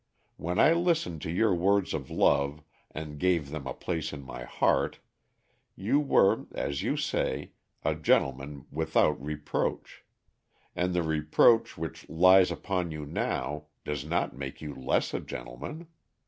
When I 'listened to your words of love, and gave them a place in my heart,' you were, as you say, 'a gentleman without reproach'; and the reproach which lies upon you now does not make you less a gentleman.